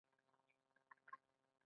دوی د "موږ یو" مفکوره روزلې او پاللې ده.